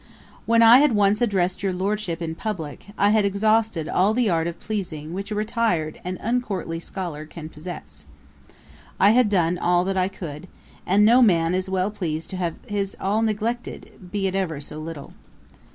When I had once addressed your Lordship in publick, I had exhausted all the art of pleasing which a retired and uncourtly scholar can possess. I had done all that I could; and no man is well pleased to have his all neglected, be it ever so little.